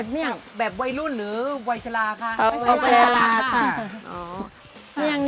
มาทุกวันค่ะทุกวัน